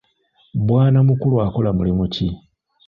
Bwanamukulu akola mulimu ki?